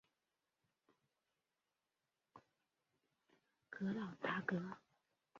格朗达格。